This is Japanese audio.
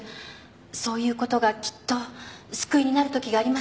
そういうことがきっと救いになるときがありますから。